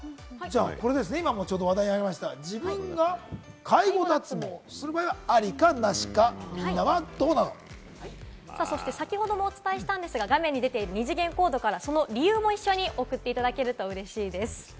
これですね、話題になりました、自分が介護脱毛する場合は、ありか、なしか、みんなはどうな先程もお伝えしましたが、画面に出ている、二次元コードから、その理由も一緒に送っていただけると嬉しいです。